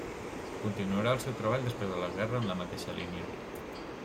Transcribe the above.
Continuarà el seu treball després de la Guerra en la mateixa línia.